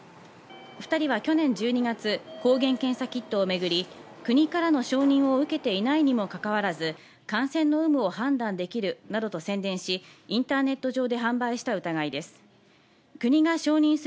２人は去年１２月、抗原検査キットをめぐり、国からの承認を受けていないにもかかわらず感染の有無を判断できるなどと宣伝し、インターネット上で販売した疑いです。